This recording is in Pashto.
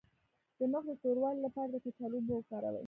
د مخ د توروالي لپاره د کچالو اوبه وکاروئ